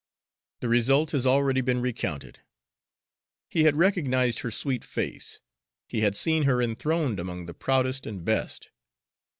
The result has already been recounted. He had recognized her sweet face; he had seen her enthroned among the proudest and best.